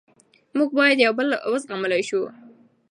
موږ باید یو بل و زغملی سو.